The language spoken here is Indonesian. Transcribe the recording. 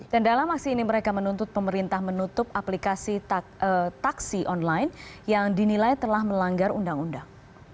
dan dalam aksi ini mereka menuntut pemerintah menutup aplikasi taksi online yang dinilai telah melanggar undang undang